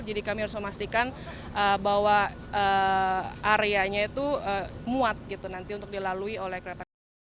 jadi kami harus memastikan bahwa areanya itu muat untuk dilalui oleh kereta